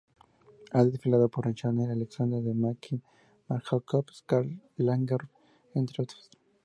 Ha desfilado para Chanel, Alexander McQueen, Marc Jacobs, Karl Lagerfeld, entre otros.